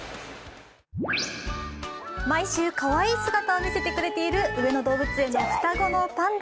毎週かわいい姿を見せてくれている上野動物園の双子のパンダ。